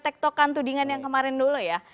tektokan tudingan yang kemarin dulu ya